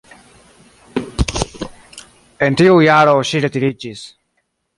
En tiu jaro ŝi retiriĝis.